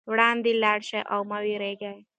وړاندې لاړ شئ او مه وېرېږئ.